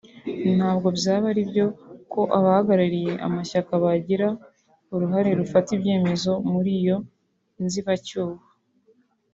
ntabwo byaba aribyo ko abahagarariye amashyaka bagira uruhari rufata ibyemezo mur’iyo nzibacyuho